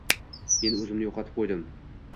“Men o‘zimni yo‘qotib qo‘ydim”.